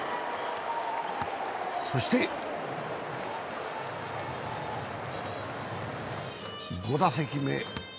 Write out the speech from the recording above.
そして５打席目。